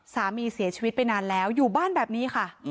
สามีเสียชีวิตไปนานแล้วอยู่บ้านแบบนี้ค่ะ